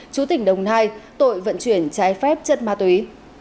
chú tỉnh đồng nai tội vận chuyển trái phép chất ma túy